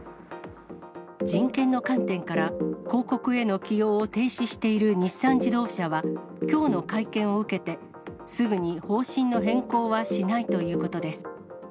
人権の観点から、広告への起用を停止している日産自動車は、きょうの会見を受けて、すぐに方針の変更はしないということです。